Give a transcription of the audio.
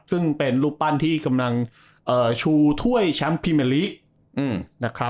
ซึ่งเป็นรูปปั้นที่กำลังชูถ้วยแชมป์พรีเมอร์ลีกนะครับ